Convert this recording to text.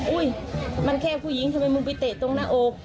มันแค่ผู้หญิงทำไมมึงไปเตะตรงหน้าอก